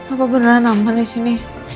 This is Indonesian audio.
apa beneran aman disini